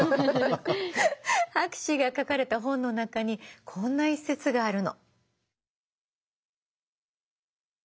博士が書かれた本の中にこんな一節があるの。